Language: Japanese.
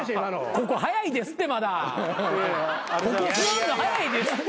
ここ座んの早いですって。